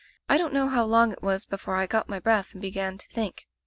I don't know how long it was before I got my breath and began to think.